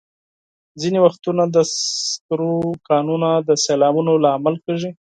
ځینې وختونه د سکرو کانونه د سیلابونو لامل کېږي.